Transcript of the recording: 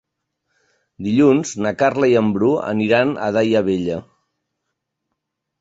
Dilluns na Carla i en Bru aniran a Daia Vella.